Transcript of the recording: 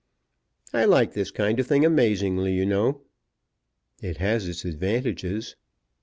"I like this kind of thing amazingly, you know." "It has its advantages."